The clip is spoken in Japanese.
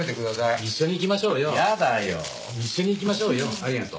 一緒に行きましょうよ。